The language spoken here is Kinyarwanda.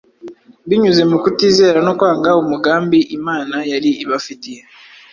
Binyuze mu kutizera no kwanga umugambi Imana yari ibafitiye